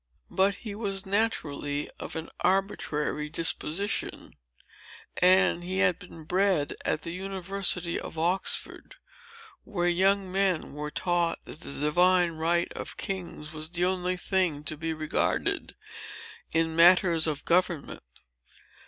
But he was naturally of an arbitrary disposition; and he had been bred at the University of Oxford, where young men were taught that the divine right of kings was the only thing to be regarded in matters of government.